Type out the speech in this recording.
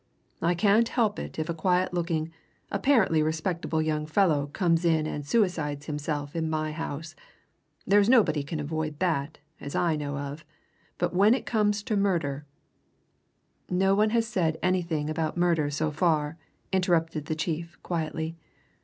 I can't help it if a quiet looking, apparently respectable young fellow comes and suicides himself in my house there's nobody can avoid that, as I know of, but when it comes to murder " "No one has said anything about murder so far," interrupted the chief quietly.